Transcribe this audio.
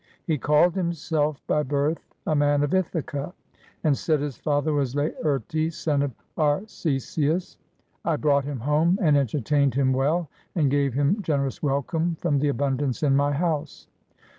He called himself by birth a man of Ithaca, and said his father was Laertes, son of Arceisius. I brought him home and entertained him well and gave him gen erous welcome from the abundance in my house.